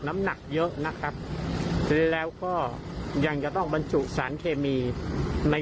นะครับแล้วก็ยังจะต้องบรรจุสารเคมีใน